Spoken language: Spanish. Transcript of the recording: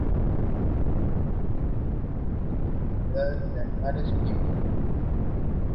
Incluye importantes vectores de enfermedades de animales y de humanos.